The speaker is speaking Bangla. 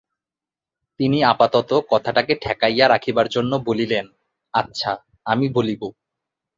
তিনি আপাতত কথাটাকে ঠেকাইয়া রাখিবার জন্য বলিলেন, আচ্ছা, আমি বলিব।